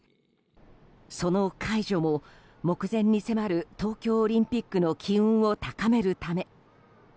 その解除も目前に迫る東京オリンピックの機運を高めるため。